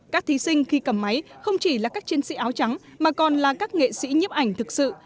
các thí sinh khi cầm máy không chỉ là các chiến sĩ áo trắng mà còn là các nghệ sĩ nhiếp ảnh thực sự